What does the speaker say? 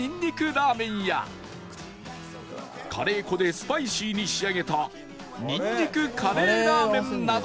ラーメンやカレー粉でスパイシーに仕上げたにんにくカレーラーメンなど